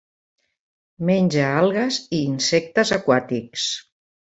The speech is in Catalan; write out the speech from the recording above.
Menja algues i insectes aquàtics.